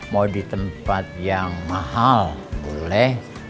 mau di tempat yang mahal boleh